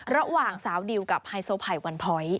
ระหว่างสาวดิวกับไฮโซไผ่วันพ้อย